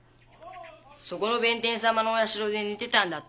そこの弁天様のお社で寝てたんだって。